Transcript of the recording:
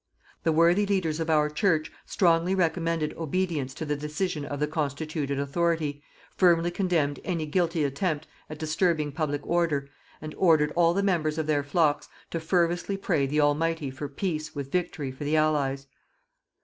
The worthy leaders of our Church strongly recommended obedience to the decision of the constituted authority, firmly condemned any guilty attempt at disturbing public order, and ordered all the members of their flocks to fervously pray the Almighty for PEACE WITH VICTORY FOR THE ALLIES.